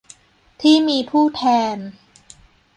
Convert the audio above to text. ที่มีผู้แทน